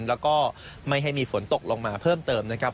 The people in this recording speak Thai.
แล้วก็ไม่ให้มีฝนตกลงมาเพิ่มเติมนะครับ